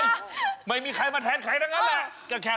โอ๊ยไม่มีใครมาแทนใครด้านนั้นแหละ